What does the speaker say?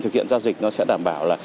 thực hiện giao dịch nó sẽ đảm bảo là